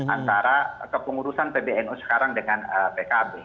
antara kepengurusan pbnu sekarang dengan pkb